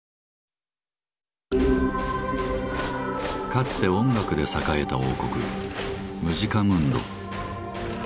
かつて音楽で栄えた王国「ムジカムンド」。